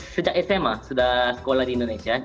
sejak sma sudah sekolah di indonesia